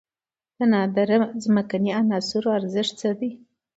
د نادره ځمکنۍ عناصرو ارزښت څه دی؟